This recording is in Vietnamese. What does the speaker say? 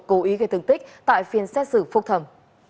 cố ý gây tương tích tại phiên xét xử phục thẩm